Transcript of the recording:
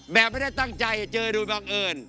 แบบไม่ได้ตั้งใจเจอโดยบังเอิญ